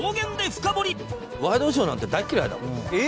ワイドショーなんて大嫌いだもん。